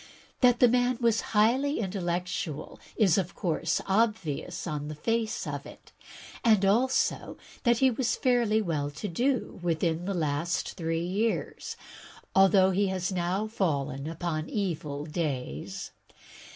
That the man was highly intel lectual is of course obvious upon the face of it, and also that he was fairly well to do within the last three years, although he has now fallen upon evil days.